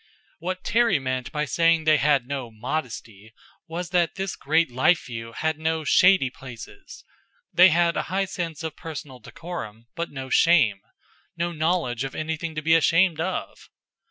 What Terry meant by saying they had no "modesty" was that this great life view had no shady places; they had a high sense of personal decorum, but no shame no knowledge of anything to be ashamed of.